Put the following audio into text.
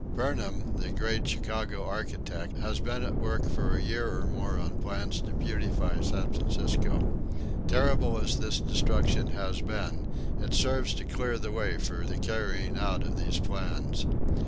Burnham, the great Chicago architect, has been at work for a year or more on plans to beautify San Francisco. Terrible as this destruction has been, it serves to clear the way for the carrying out of these plans.